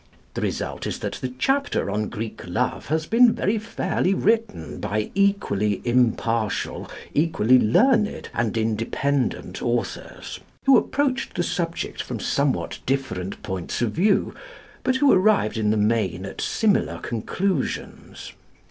The result is that the chapter on Greek love has been very fairly written by equally impartial, equally learned, and independent authors, who approached the subject from somewhat different points of view, but who arrived in the main at similar conclusions.